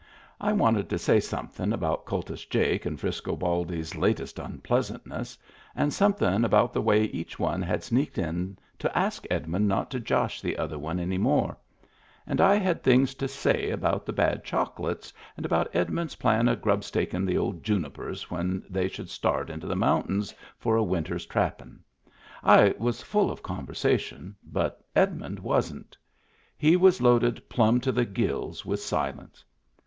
I wanted to say somethin' about Kultus Jake and Frisco Baldy's latest unpleasantness, and somethin' about the way each one had sneaked in to ask Edmund not to josh the other one any more; and I had things to say about the bad chocolates, and about Edmund's plan of grubstakin' the old junipers when they should start into the mountains for a winter's trappin' — I was full of conversation, but Edmund wasn't. He was loaded plumb to the gills with silence.